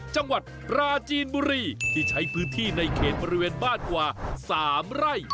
จังหวัดปราจีนบุรีที่ใช้พื้นที่ในเขตบริเวณบ้านกว่า๓ไร่